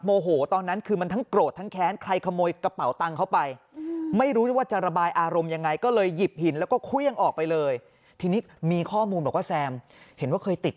โมโหตอนนั้นคือมันทั้งโกรธทั้งแค้น